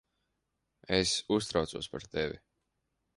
Es uztraucos par tevi.